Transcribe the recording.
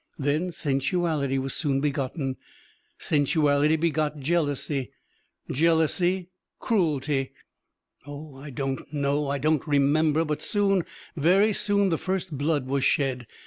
Then sensuality was soon begotten, sensuality begot jealousy, jealousy cruelty.... Oh, I don't know, I don't remember; but soon, very soon the first blood was shed.